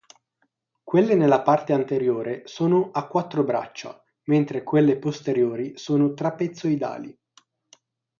Quelle nella parte anteriore sono a quattro braccia, mentre quelle posteriori sono trapezoidali.